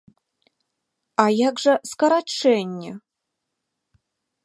А як жа скарачэнне?